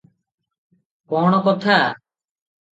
କଣ କଥା?